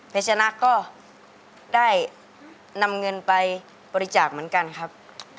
ชนะก็ได้นำเงินไปบริจาคเหมือนกันครับ